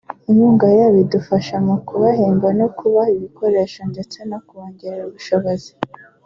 inkunga yabo idufasha mu ku bahemba (ba noteri) no kubaha ibikoresho ndetse no kubongerera ubushobozi